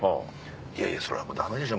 「いやいやそれはダメでしょ。